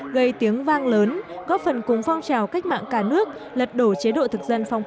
gây tiếng vang lớn góp phần cùng phong trào cách mạng cả nước lật đổ chế độ thực dân phong